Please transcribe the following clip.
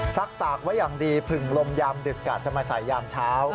ตากไว้อย่างดีผึ่งลมยามดึกกะจะมาใส่ยามเช้า